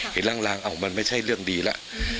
เห็นร่างอ้าวมันไม่ใช่เรื่องดีละ